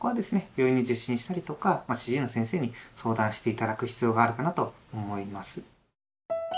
病院に受診したりとか主治医の先生に相談して頂く必要があるかなと思います。